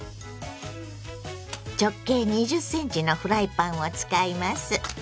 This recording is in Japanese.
直径２０ｃｍのフライパンを使います。